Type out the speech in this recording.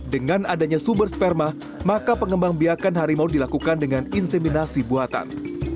dengan adanya sumber sperma maka pengembang biakan harimau dilakukan dengan inseminasi buatan